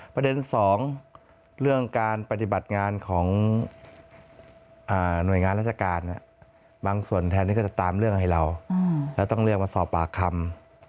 ประเด็น๒เรื่องการปฏิบัติงานของหน่วยงานราชการบางส่วนแทนที่ก็จะตามเรื่องให้เราแล้วต้องเรียกมาสอบปากคำ